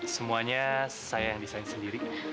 semuanya saya desain sendiri